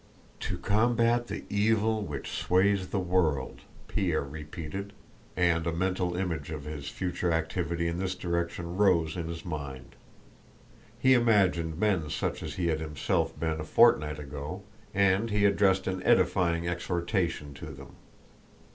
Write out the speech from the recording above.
"To combat the evil which sways the world..." Pierre repeated, and a mental image of his future activity in this direction rose in his mind. He imagined men such as he had himself been a fortnight ago, and he addressed an edifying exhortation to them.